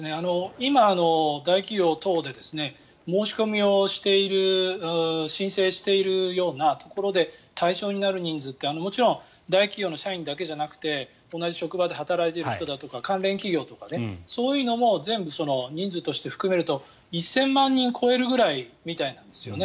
今、大企業等で申し込みをしている申請しているようなところで対象になる人数ってもちろん大企業の社員だけじゃなくて同じ職場で働いている人だとか関連企業とかそういうのも全部人数として含めると１０００万人を超えるくらいみたいなんですよね。